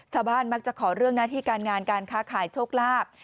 ชาวบ้านมักจะขอเรื่องหน้าที่การงานการค้าขายโชคลาภ